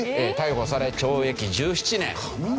逮捕され懲役１７年。